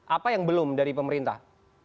apa yang belum dari pemerintah